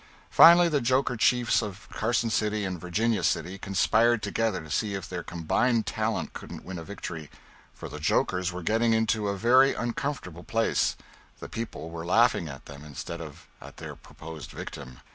Finally the joker chiefs of Carson City and Virginia City conspired together to see if their combined talent couldn't win a victory, for the jokers were getting into a very uncomfortable place: the people were laughing at them, instead of at their proposed victim.